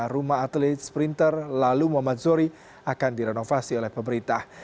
rumah atlet sprinter lalu muhammad zohri akan direnovasi oleh pemerintah